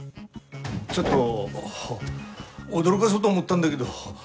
ちょっと驚がそうと思ったんだげど。